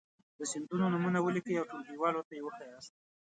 د سیندونو نومونه ولیکئ او ټولګیوالو ته یې وښایاست.